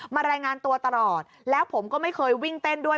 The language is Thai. รายงานตัวตลอดแล้วผมก็ไม่เคยวิ่งเต้นด้วย